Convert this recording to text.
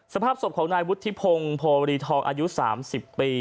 สภาพศพของนายวุฒิพงศ์โพรีทองอายุ๓๐ปี